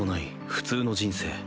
普通の人生。